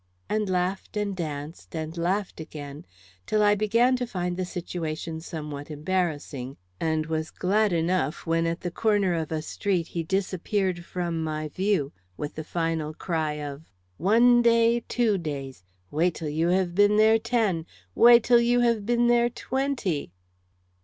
and laughed and danced, and laughed again, till I began to find the situation somewhat embarrassing, and was glad enough when at the corner of a street he disappeared from my view, with the final cry of: "One day, two days; wait till you have been there ten; wait till you have been there twenty!"